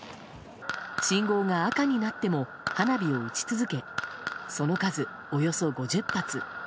信号が赤になっても花火を打ち続けその数、およそ５０発。